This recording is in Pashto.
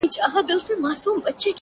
o اور يې وي په سترگو کي لمبې کوې.